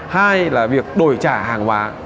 hai là việc đổi trả hàng hóa